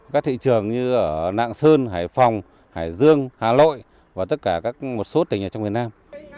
các thị trường như ở nạng sơn hải phòng hải dương hà lội và tất cả các một số tỉnh ở trong việt nam